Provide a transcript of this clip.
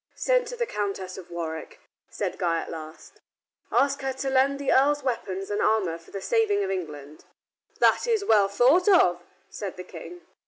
"Send to the Countess of Warwick," said Guy at last. "Ask her to lend the earl's weapons and armor for the saving of England." "That is well thought of," said the King.